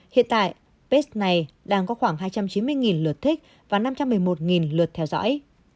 hiện tại page này đang có khoảng hai trăm chín mươi lượt thích và năm trăm một mươi một lượt theo dõi